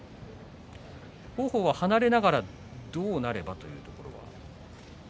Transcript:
王鵬は離れながらどうなればというところですか。